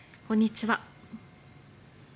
こんにちは。